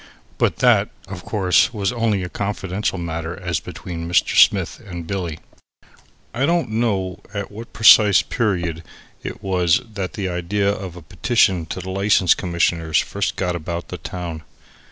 But that, of course, was only a confidential matter as between Mr. Smith and Billy. I don't know at what precise period it was that the idea of a petition to the License Commissioners first got about the town.